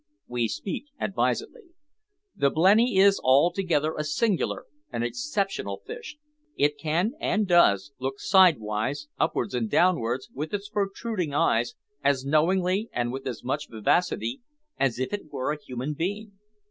We speak advisedly. The blenny is altogether a singular, an exceptional fish. It can, and does, look sidewise, upwards and downwards, with its protruding eyes, as knowingly, and with as much vivacity, as if it were a human being.